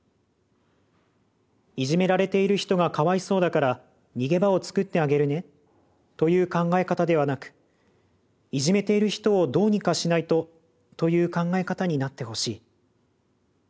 「『いじめられている人がかわいそうだから逃げ場を作ってあげるね』という考え方ではなく『いじめている人をどうにかしないと』という考え方になってほしい。